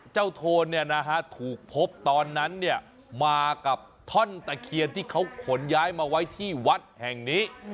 เจ้าโทนเนี่ยนะฮะถูกพบตอนนั้นเนี่ยมากับท่อนตะเคียนที่เขาขนย้ายมาไว้ที่วัดแห่งนี้